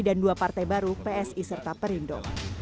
dan dua partai baru psi serta perindo